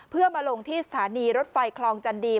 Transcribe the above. เพื่อมาลงที่สถานีรถไฟคลองจันดี